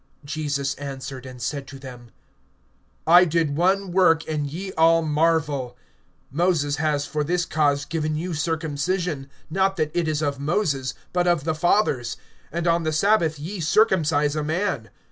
(21)Jesus answered and said to them: I did one work, and ye all marvel. (22)Moses has for this cause given you circumcision, not that it is of Moses, but of the fathers; and on the sabbath ye circumcise a man.